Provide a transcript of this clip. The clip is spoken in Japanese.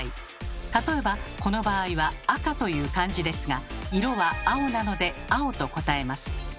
例えばこの場合は「赤」という漢字ですが色は「青」なので「青」と答えます。